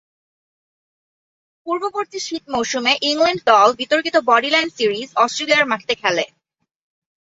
পূর্ববর্তী শীত মৌসুমে ইংল্যান্ড দল বিতর্কিত বডিলাইন সিরিজ অস্ট্রেলিয়ার মাটিতে খেলে।